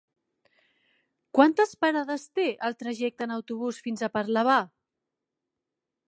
Quantes parades té el trajecte en autobús fins a Parlavà?